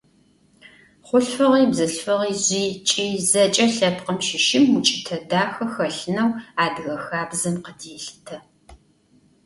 Хъулъфыгъи, бзылъфыгъи, жъи, кӀи – зэкӀэ лъэпкъым щыщым укӀытэ дахэ хэлъынэу адыгэ хабзэм къыделъытэ.